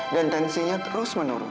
dan tensinya terus menurun